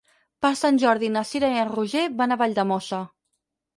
Per Sant Jordi na Cira i en Roger van a Valldemossa.